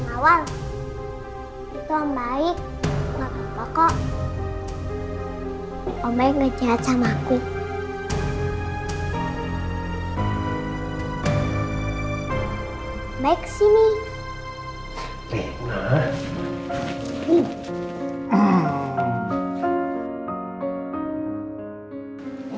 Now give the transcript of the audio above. awal itu yang baik